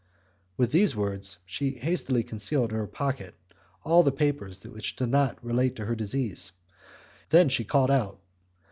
With these words, she hastily concealed in her pocket all the papers which did not relate to her disease; then she called out.